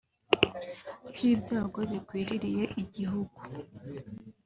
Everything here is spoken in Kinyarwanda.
cy’ibyago bigwiririye igihugu